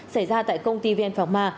xảy ra tại công ty vn phạm ma